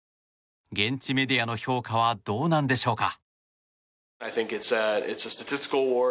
現地メディアの評価はどうなんでしょうか。